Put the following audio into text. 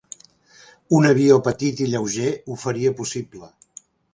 Un avió petit i lleuger ho faria possible.